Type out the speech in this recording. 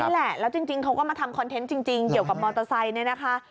แหละแล้วจริงเขาก็มาทำคอนเทนต์จริงเกี่ยวกับมอเตอร์ไซค์เนี่ยนะคะ